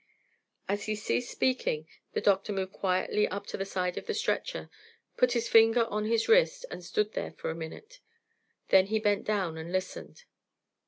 As he ceased speaking the doctor moved quietly up to the side of the stretcher, put his finger on his wrist, and stood there for a minute, then he bent down and listened.